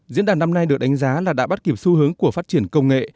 diễn đàn năm nay được đánh giá là đã bắt kịp xu hướng của phát triển công nghệ